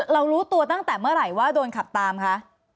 รู้ตัวตั้งแต่เมื่อไหร่ว่าโดนขับตามคะ